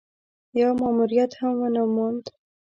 يو ماموريت هم ونه موند.